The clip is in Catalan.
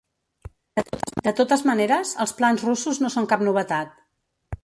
De totes maneres, els plans russos no són cap novetat.